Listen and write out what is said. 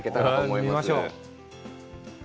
見ましょう。